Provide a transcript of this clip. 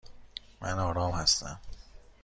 من آرام هستم.